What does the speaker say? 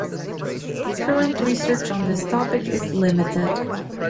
Current research on this topic is limited.